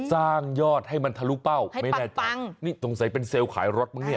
สร้างยอดให้มันทะลุเป้าไม่แน่ใจนี่สงสัยเป็นเซลล์ขายรถมั้งเนี่ย